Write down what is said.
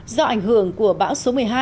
do ảnh hưởng của bão số một mươi hai